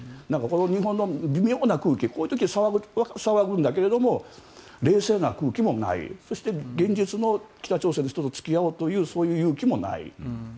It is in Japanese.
日本の微妙な空気こういう時は騒ぐけど冷静な空気もないそして北朝鮮の人と付き合おうというそういう勇気もない。